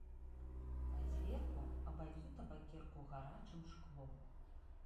А зверху абалью табакерку гарачым шклом.